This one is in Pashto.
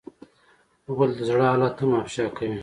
غول د زړه حالت هم افشا کوي.